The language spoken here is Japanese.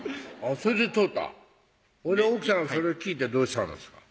それで通ったほいで奥さんそれ聞いてどうしたんですか？